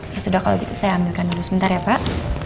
ya sudah kalau gitu saya ambilkan dulu sebentar ya pak